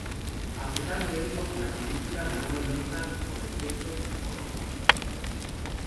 A pesar de esto, la película ganó el Oscar por Efectos Visuales.